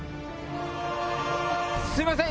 すいません